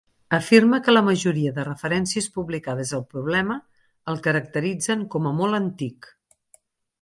Afirma que la majoria de referències publicades al problema el caracteritzen com a "molt antic".